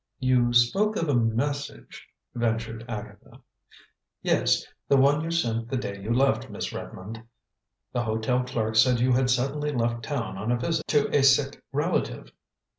"You spoke of a message " ventured Agatha. "Yes; the one you sent the day you left, Miss Redmond. The hotel clerk said you had suddenly left town on a visit to a sick relative."